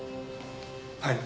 はい。